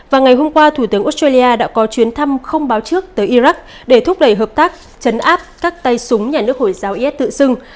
và ngày hôm qua thủ tướng australia đã có chuyến thăm không báo trước tới iraq để thúc đẩy hợp tác chấn áp các tay súng nhà nước hồi giáo is tự xưng